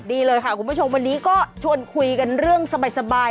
ดีเลยค่ะคุณผู้ชมวันนี้ก็ชวนคุยกันเรื่องสบาย